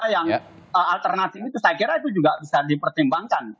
yang alternatif itu saya kira itu juga bisa dipertimbangkan